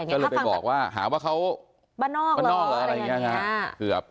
ก็เลยไปบอกว่าหาว่าเขาบ้านนอกบ้านนอกเหรออะไรอย่างนี้ครับ